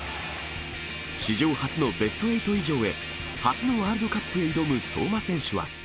史上初のベスト８以上へ、初のワールドカップへ挑む相馬選手は。